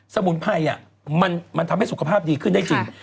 สมุนไพรมันทำให้สุขภาพดีขึ้นได้จริง